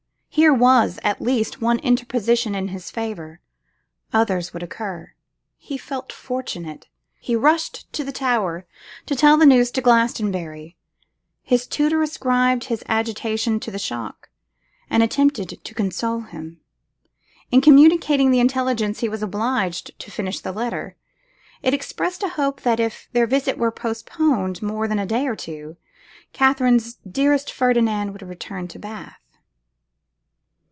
Here was, at least, one interposition in his favour; others would occur. He felt fortunate. He rushed to the tower, to tell the news to Glastonbury. His tutor ascribed his agitation to the shock, and attempted to console him. In communicating the intelligence, he was obliged to finish the letter; it expressed a hope that, if their visit were postponed for more than a day or two, Katherine's dearest Ferdinand would return to Bath.